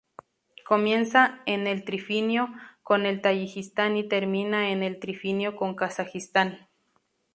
Comienza en el trifinio con el Tayikistán y termina en el trifinio con Kazajistán.